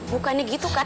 bukannya gitu kak tapi